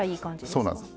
そうなんです。